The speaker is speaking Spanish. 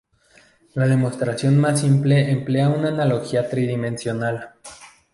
La demostración más simple emplea una analogía tridimensional.